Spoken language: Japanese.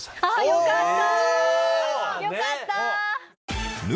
よかった！